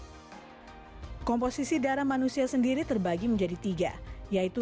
hasil pemisahan tersebut akan mendapatkan penggunaan tersebut yang berpengaruh untuk mencari alternatif pengobatan tersebut